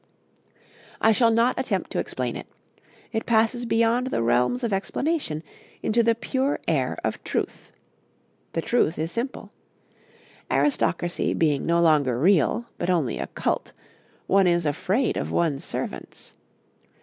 I shall not attempt to explain it: it passes beyond the realms of explanation into the pure air of Truth. The Truth is simple. Aristocracy being no longer real, but only a cult, one is afraid of one's servants.